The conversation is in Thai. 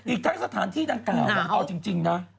อีกทั้งสถานที่ดังกล่าวเอาจริงนะ